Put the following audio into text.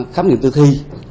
khám nghiệm tư thi